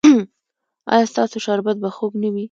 ایا ستاسو شربت به خوږ نه وي؟